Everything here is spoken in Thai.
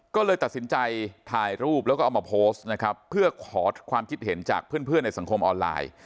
ก็เลยตัดสินใจถ่ายรูปแล้วก็เอามาโพสต์นะครับเพื่อขอความคิดเห็นจากเพื่อนในสังคมออนไลน์